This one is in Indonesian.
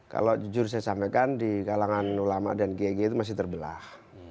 kalau jujur saya sampaikan di kalangan ulama dan gg itu masih terbelah